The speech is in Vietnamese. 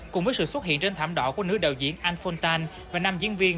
cùng với sự xuất hiện trên thảm đỏ của nữ đạo diễn anne fontaine và năm diễn viên